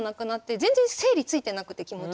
全然整理ついてなくて気持ちの。